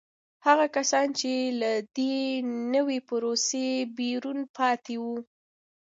هغه کسان چې له دې نوې پروسې بیرون پاتې وو